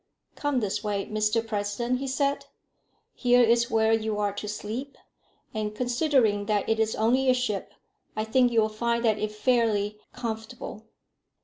"Come this way, Mr President," he said. "Here is where you are to sleep; and considering that it is only a ship, I think you'll find it fairly comfortable."